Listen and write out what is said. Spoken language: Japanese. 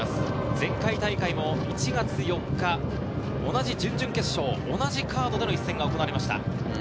前回大会も１月４日、同じ準々決勝、同じカードでの一戦が行われました。